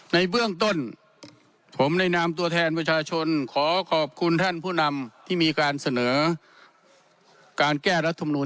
ในเบื้องต้นผมในนามตัวแทนประชาชนขอขอบคุณท่านผู้นำที่มีการเสนอการแก้รัฐมนุน